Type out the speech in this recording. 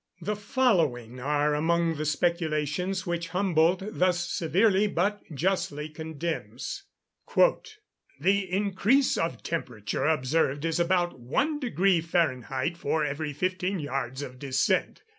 The following are among the speculations which Humboldt thus severely but justly condemns: "The increase of temperature observed is about 1 deg. Fahr. for every fifteen yards of descent.